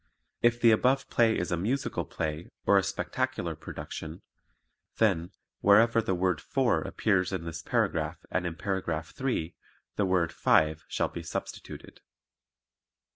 If the above play is a musical play, or a spectacular production, then, wherever the word "Four" appears in this paragraph and in paragraph three the word "Five" shall be substituted.